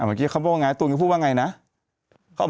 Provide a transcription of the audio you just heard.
แอรี่แอรี่แอรี่แอรี่แอรี่